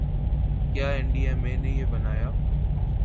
کیا N D M A نے یہ بنایا